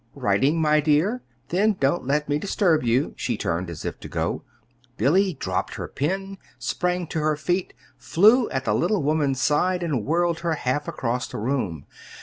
"Writing, my dear? Then don't let me disturb you." She turned as if to go. Billy dropped her pen, sprang to her feet, flew to the little woman's side and whirled her half across the room.